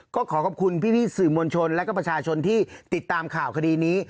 ก็ขอขอบคุณพี่สื่อมวลชนและก็ประชาชนที่ติดตามข่าวคดีนี้